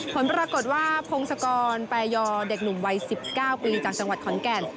ผลปรากฏว่าพงศกรแปรยอเด็กหนุ่มวัย๑๙ปีจากจังหวัดขอนแก่น